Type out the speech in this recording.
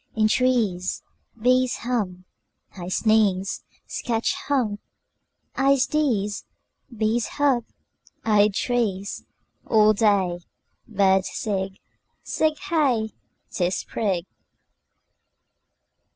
In trees Bees hum I sneeze Skatch Humb!! I sdeeze. Bees hub. Id trees All day Birds sig. Sig Hey! 'Tis Sprig!